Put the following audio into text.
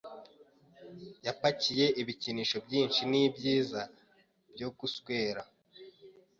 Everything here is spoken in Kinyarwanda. Yapakiye ibikinisho byinshi nibyiza byo guswera